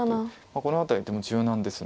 この辺りでも柔軟です。